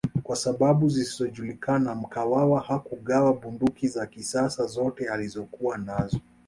Kwa sababu zisizojulikana Mkwawa hakugawa bunduki za kisasa zote alizokuwa nazo